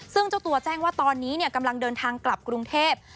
ซึ่งเจ้าตัวแจ้งว่าตอนนี้กำลังเดินทางกลับกรุงเทพ